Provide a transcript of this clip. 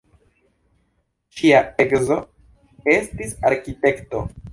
Ŝia edzo estis arkitekto.